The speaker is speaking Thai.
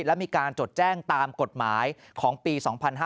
และมีการจดแจ้งตามกฎหมายของปี๒๕๕๙